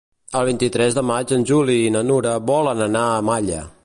El vint-i-tres de maig en Juli i na Nura volen anar a Malla.